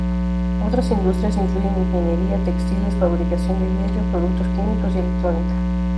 Otras industrias incluyen ingeniería, textiles, fabricación de vidrio, productos químicos y electrónica.